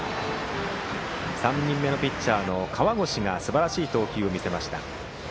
３人目のピッチャーの河越がすばらしい投球を見せました。